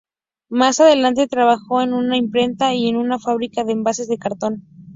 Más adelante, trabajó en una imprenta y en una fábrica de envases de cartón.